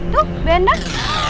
tuh ibu endang